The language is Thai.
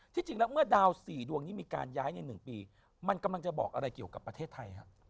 จริงแล้วเมื่อดาว๔ดวงนี้มีการย้ายใน๑ปีมันกำลังจะบอกอะไรเกี่ยวกับประเทศไทยฮะ